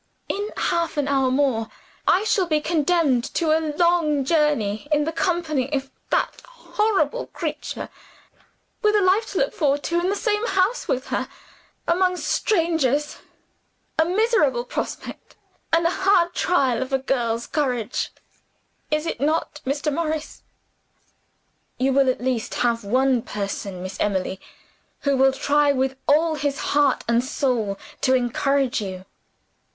In half an hour more, I shall be condemned to a long journey in the company of that horrible creature with a life to look forward to, in the same house with her, among strangers! A miserable prospect, and a hard trial of a girl's courage is it not, Mr. Morris?" "You will at least have one person, Miss Emily, who will try with all his heart and soul to encourage you."